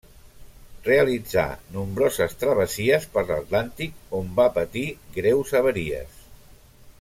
Realitzà nombroses travessies per l'Atlàntic on va patir greus avaries.